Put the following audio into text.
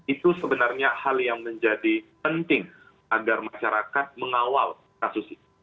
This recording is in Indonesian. itu sebenarnya hal yang menjadi penting agar masyarakat mengawal kasus ini